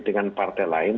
dengan partai lain